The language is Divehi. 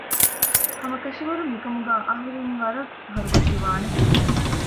ހަމަކަށަވަރުން މިކަމުގައި އަހުރެން ވަރަށް ހަރުކަށިވާނެ